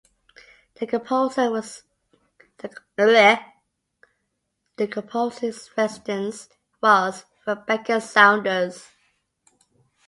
The composer in residence was Rebecca Saunders.